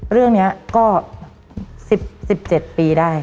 เรื่องนี้ก็๑๗ปีได้